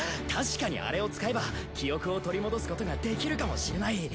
確かにあれを使えば記憶を取り戻すことができるかもしれない。